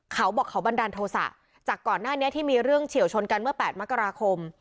เขาบอกเขาบันดาลโทษะจากก่อนหน้านี้ที่มีเรื่องเฉียวชนกันเมื่อ๘มกราคม